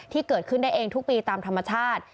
ที่เกิดขึ้นได้เองทุกปีตามธรรมชาติ